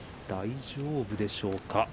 大丈夫でしょうか。